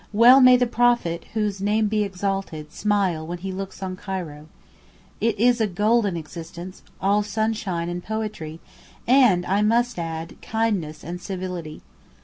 Well may the Prophet (whose name be exalted) smile when he looks on Cairo. It is a golden existence, all sunshine and poetry, and, I must add, kindness and civility.